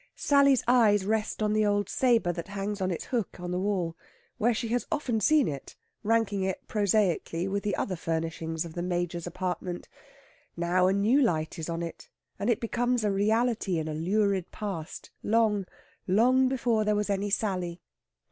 Sally's eyes rest on the old sabre that hangs on its hook in the wall, where she has often seen it, ranking it prosaically with the other furnishings of "the Major's" apartment. Now, a new light is on it, and it becomes a reality in a lurid past, long, long before there was any Sally.